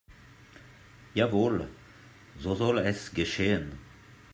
Jawohl, so soll es geschehen.